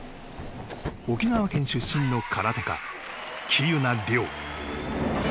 沖縄県出身の空手家、喜友名諒。